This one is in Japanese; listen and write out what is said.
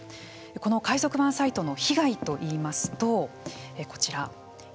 この海賊版サイトの被害といいますと、こちら。